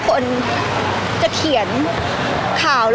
พี่ตอบได้แค่นี้จริงค่ะ